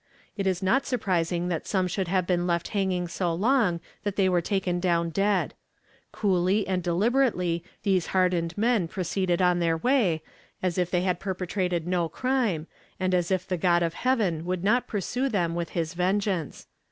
It is not surprising that some should have been left hanging so long that they were taken down dead. Coolly and deliberately these hardened men proceeded on their way, as if they had perpetrated no crime, and as if the God of heaven would not pursue them with his vengeance.